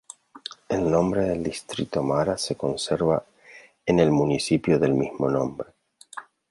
El nombre del distrito Mara se conserva en el municipio del mismo nombre.